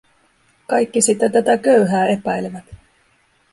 Kaikki sitä tätä köyhää epäilevät.